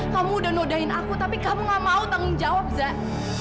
kamu udah nodain aku tapi kamu gak mau tanggung jawab za